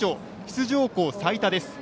出場校最多です。